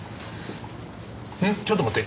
ちょっと待って。